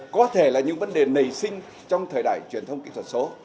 có thể là những vấn đề nảy sinh trong thời đại truyền thông kỹ thuật số